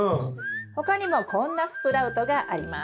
他にもこんなスプラウトがあります。